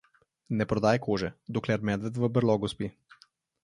Ne prodaj kože, dokler medved v brlogu spi.